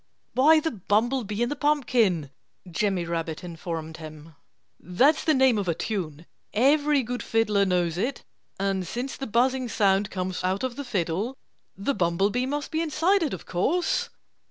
"Why, The Bumblebee in the Pumpkin!" Jimmy Rabbit informed him. "That's the name of a tune. Every good fiddler knows it. And since the buzzing sound comes out of the fiddle, the bumblebee must be inside it, of course."